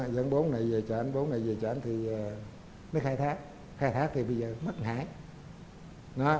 dẫn bốn ngày về cho anh bốn ngày về cho anh thì mới khai thác khai thác thì bây giờ mất ngãi